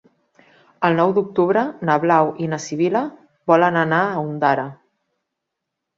El nou d'octubre na Blau i na Sibil·la volen anar a Ondara.